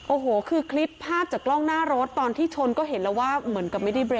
โอ้โหคือคลิปภาพจากกล้องหน้ารถตอนที่ชนก็เห็นแล้วว่าเหมือนกับไม่ได้เร